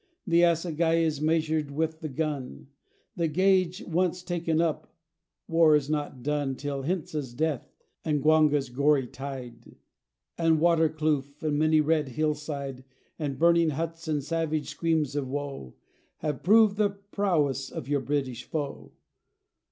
The assegai is measured with the gun; The gage once taken up, war is not done Till Hintza's death, and Gwanga's gory tide, And Waterkloof, and many a red hillside, And burning huts, and savage screams of woe, Have proved the prowess of your British foe.